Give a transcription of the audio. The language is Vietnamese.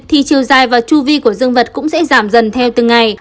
thì chiều dài và chu vi của dương vật cũng sẽ giảm dần theo từng ngày